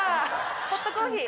ホットコーヒー。